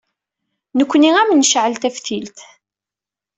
Nekkni ad m-necɛel taftilt.